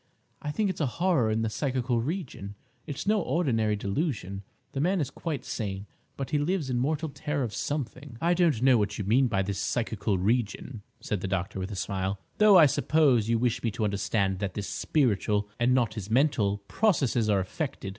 I think it's a horror in the psychical region. It's no ordinary delusion; the man is quite sane; but he lives in mortal terror of something—" "I don't know what you mean by his 'psychical region,'" said the doctor, with a smile; "though I suppose you wish me to understand that his spiritual, and not his mental, processes are affected.